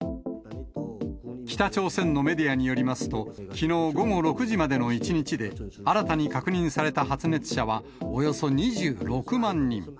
北朝鮮のメディアによりますと、きのう午後６時までの１日で、新たに確認された発熱者はおよそ２６万人。